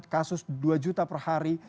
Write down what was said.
kasus dua juta per hari